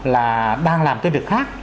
là đang làm cái việc khác